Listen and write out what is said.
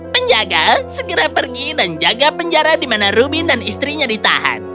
penjaga segera pergi dan jaga penjara di mana rubin dan istrinya ditahan